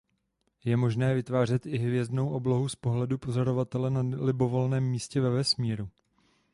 Je možné vytvářet i hvězdnou oblohu z pohledu pozorovatele na libovolném místě ve vesmíru.